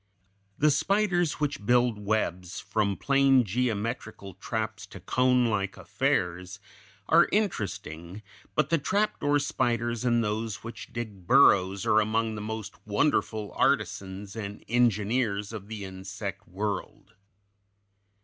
] The spiders which build webs, from plain geometrical traps to conelike affairs, are interesting; but the trapdoor spiders and those which dig burrows are among the wonderful artisans and engineers of the insect world.